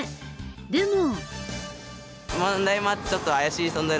でも。